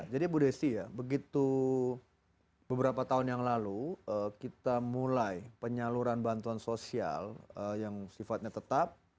jadi bu desi ya begitu beberapa tahun yang lalu kita mulai penyaluran bantuan sosial yang sifatnya tetap